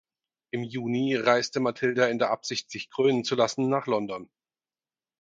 Im Juni reiste Matilda in der Absicht sich krönen zu lassen nach London.